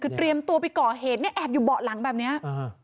คือเตรียมตัวไปก่อเหตุเนี่ยแอบอยู่เบาะหลังแบบนี้